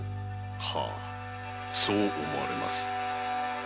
はいそう思われます。